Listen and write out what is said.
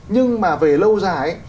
nhưng mà về lâu dài